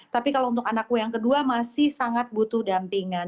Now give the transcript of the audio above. tapi kalau untuk anakku yang kedua masih sangat butuh dampingan